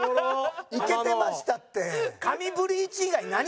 いけてましたって。